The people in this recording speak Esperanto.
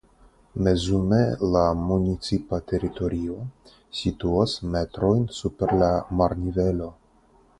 Mezume la municipa teritorio situas metrojn super la marnivelo.